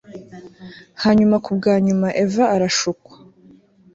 Hanyuma kubwa nyuma Eva arashukwa